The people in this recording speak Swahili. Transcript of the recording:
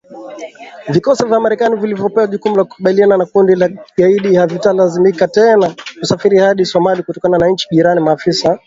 Vikosi vya Marekani vilivyopewa jukumu la kukabiliana na kundi la kigaidi havitalazimika tena kusafiri hadi Somalia kutoka nchi jirani baada ya maafisa